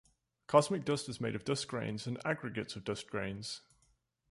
Cosmic dust is made of dust grains and aggregates of dust grains.